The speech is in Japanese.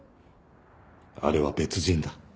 あれは別人だ。